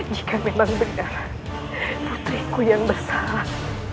jika memang benar putriku yang besar